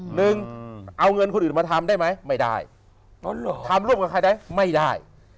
หนึ่งเอาเงินคนอื่นมาทำได้ไหมไม่ได้ทำร่วมกับใครได้ไม่ได้